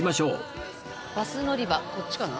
バス乗り場こっちかな？